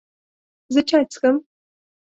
زه چای څښم.